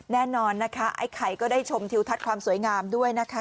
แน่นอนนะคะไอ้ไข่ก็ได้ชมทิวทัศน์ความสวยงามด้วยนะคะ